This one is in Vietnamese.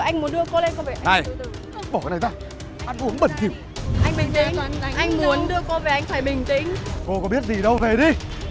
nhưng tôi nghĩ không phải là công việc của tôi